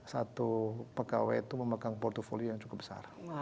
satu pegawai itu memegang portfolio yang cukup besar